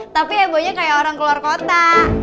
tapi hebohnya kayak orang keluar kota